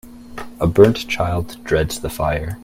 A burnt child dreads the fire.